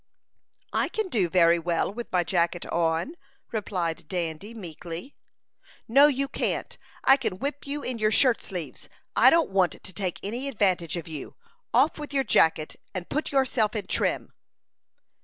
"I can do very well with my jacket on," replied Dandy, meekly. "No, you can't. I can whip you in your shirt sleeves. I don't want to take any advantage of you. Off with your jacket, and put yourself in trim."